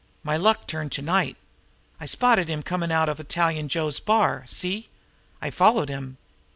My luck turned to night. I spotted him comin' out of Italian Joe's bar. See? I followed him.